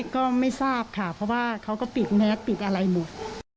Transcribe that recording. ก็ไม่ทราบค่ะเพราะเขาก็ปิดแมทวิทยุปิดอะไรหมด